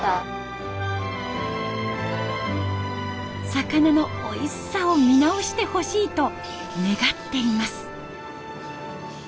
魚のおいしさを見直してほしいと願っています。